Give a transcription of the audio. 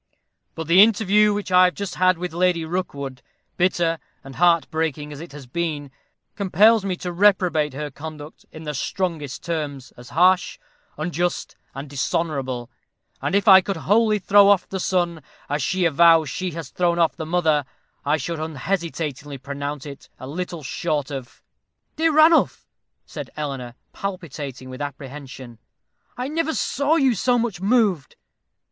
But the interview which I have just had with Lady Rookwood bitter and heart breaking as it has been compels me to reprobate her conduct in the strongest terms, as harsh, unjust, and dishonorable; and if I could wholly throw off the son, as she avows she has thrown off the mother, I should unhesitatingly pronounce it as little short of " "Dear Ranulph," said Eleanor, palpitating with apprehension, "I never saw you so much moved."